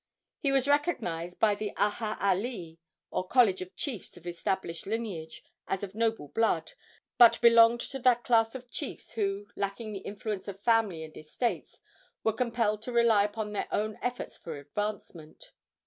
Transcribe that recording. He was recognized by the Aha alii, or college of chiefs of established lineage, as of noble blood, but belonged to that class of chiefs who, lacking the influence of family and estates, were compelled to rely upon their own efforts for advancement.